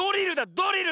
ドリル！